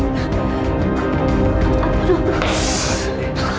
aku udah berusaha